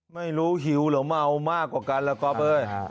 ไม่รู้หิวหรือเมามากกว่ากันล่ะคอมเบอร์